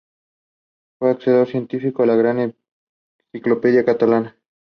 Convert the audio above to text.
Fue asesor científico de la "Gran Enciclopedia Catalana.